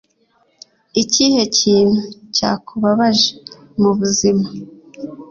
ikihe kintu cyakubabaje mubuzima